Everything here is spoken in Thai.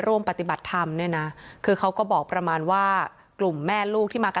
ร่วมปฏิบัติธรรมเนี่ยนะคือเขาก็บอกประมาณว่ากลุ่มแม่ลูกที่มา